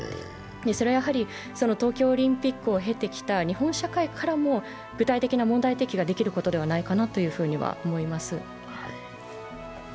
それは東京オリンピックを経てきた日本社会からも具体的な問題提起ができることではないかなと思います。